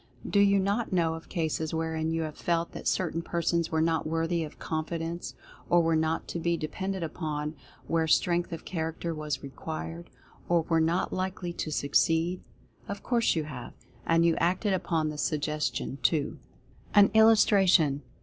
Do you not know of cases wherein you have felt that certain persons were not worthy of Con fidence ; or were not to be depended upon where Strength of Character was required ; or were not likely to Succeed? Of course you have, and you acted upon the Suggestion, too. AN ILLUSTRATION.